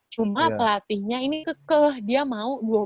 cuma pelatihnya ini kekeh dia mau